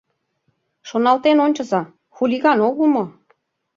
Шоналтен ончыза, хулиган огыл мо?